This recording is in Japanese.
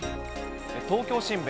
東京新聞。